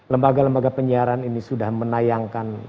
lembaga lembaga penyiaran ini sudah menayangkan